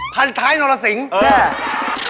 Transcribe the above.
พันท้ายนรสิงศ์